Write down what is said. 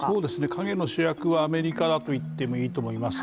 陰の主役はアメリカだと言ってもいいと思います。